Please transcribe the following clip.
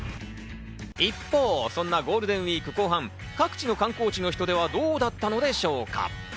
一方、そんなゴールデンウイーク後半、各地の観光地の人出はどうだったのでしょうか。